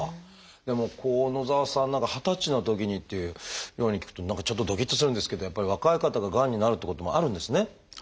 でも野澤さんなんかは二十歳のときにっていうように聞くと何かちょっとどきっとするんですけどやっぱり若い方ががんになるってこともあるんですね。